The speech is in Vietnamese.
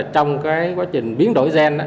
trong quá trình biến đổi gen